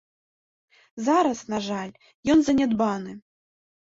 Зараз, на жаль, ён занядбаны.